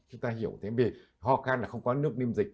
chúng ta hiểu thế vì ho can là không có nước niêm dịch